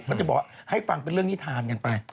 ก็จะบอกว่าให้ฟังเป็นเรื่องนิทานกันไป